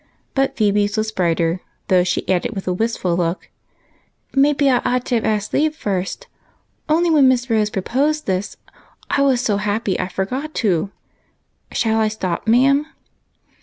But Phebe's was brighter, though she added, with a wistful look, —" Maybe I ought to have asked leave first ; only when Miss Rose proposed this, I was so happy I for got to. Shall I stop, ma'am